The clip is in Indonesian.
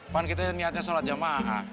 pan kita niatnya sholat jamaah